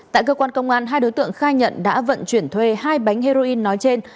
tại cơ quan công an hai đối tượng khai nhận đã vận chuyển thuê hai bánh heroin nói trên